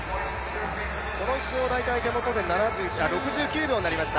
この１周は大体６９秒になりました。